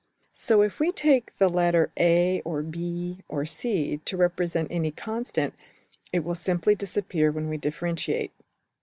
So if we take the letter~$a$, or~$b$, or~$c$ to represent any constant, it will simply disappear when we differentiate.